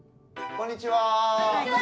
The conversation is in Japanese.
こんにちは！